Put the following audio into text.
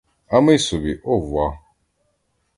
А ми собі — овва!